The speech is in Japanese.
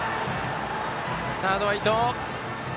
サードは伊藤。